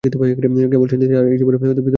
কেবল সেনদিদি আর এ জীবনে সধবা হইতে পরিবে না।